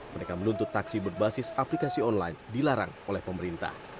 mereka menuntut taksi berbasis aplikasi online dilarang oleh pemerintah